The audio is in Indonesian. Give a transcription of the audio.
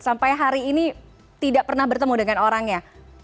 sampai hari ini tidak pernah bertemu dengan orangnya